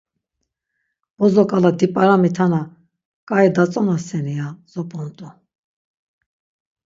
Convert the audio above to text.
Bozo-ǩala dip̌aramitana ǩai datzonaseni ya zop̌ont̆u.